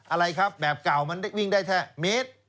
อะไรครับแบบเก่ามันได้วิ่งได้แค่เมตร